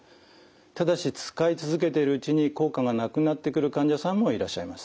ただし使い続けているうちに効果がなくなってくる患者さんもいらっしゃいます。